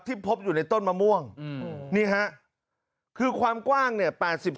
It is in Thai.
พบอยู่ในต้นมะม่วงนี่ฮะคือความกว้างเนี่ย